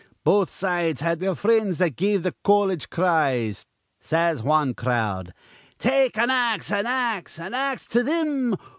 Both sides had their frinds that give th' colledge cries. Says wan crowd: 'Take an ax, an ax, an ax to thim.